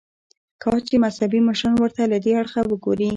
کاش چې مذهبي مشران ورته له دې اړخه وګوري.